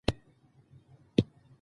په افغانستان کې دریابونه ډېر اهمیت لري.